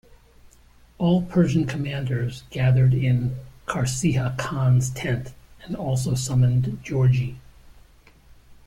All Persian commanders gathered in Qarciha-Khan's tent and also summoned Giorgi.